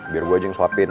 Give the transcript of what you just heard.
biar gue aja yang suapin